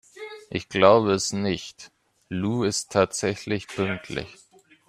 Ich glaube es nicht, Lou ist tatsächlich pünktlich!